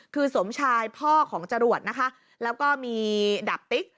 คือสมชายพ่อของจรวดนะคะแล้วก็มีดาบติ๊ก